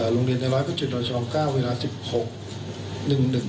โรงเรียนในร้อยพระจิตรช่อง๙เวลา๑๖